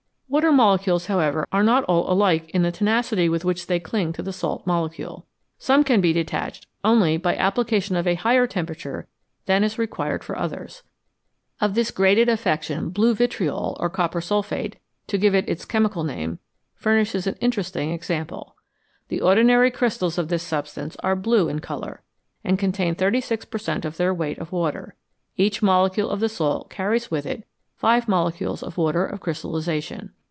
Water molecules, however, are not all alike in the tenacity with which they cling to the salt molecule. Some can be detached only by the application of a higher temperature than is required for others. Of this graded affection blue vitriol or copper sulphate, to give it its chemical name furnishes an interesting example. The ordinary crystals of this substance are blue in colour, and contain 36 per cent, of their weight of water ; each molecule of the salt carries with it five molecules of water of crystallisation.